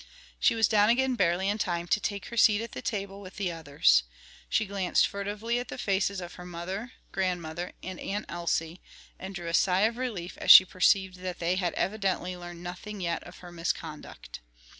She was down again barely in time to take her seat at the table with the others. She glanced furtively at the faces of her mother, grandmother, and Aunt Elsie, and drew a sigh of relief as she perceived that they had evidently learned nothing yet of her misconduct.